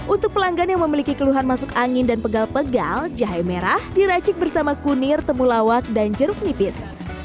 untuk pelanggan yang memiliki keluhan masuk angin dan pegal pegal jahe merah diracik bersama kunir temulawak dan jeruk nipis